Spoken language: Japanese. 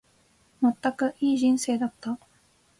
まったく、いい人生だった。